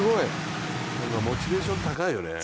モチベーション高いよね。